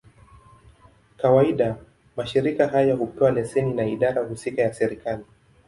Kawaida, mashirika haya hupewa leseni na idara husika ya serikali.